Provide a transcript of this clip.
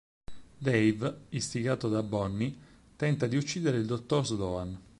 Dave, istigato da Bonnie, tenta di uccidere il dottor Sloan.